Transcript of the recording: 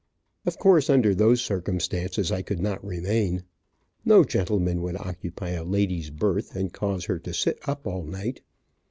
Of course, under those circumstances I could not remain. No gentleman would occupy a lady's birth, and cause her to sit up all night.